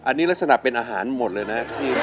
อันนี้ลักษณะเป็นอาหารหมดเลยนะ